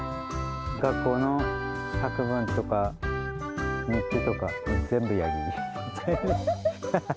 学校の作文とか、日記とか、全部ヤギ。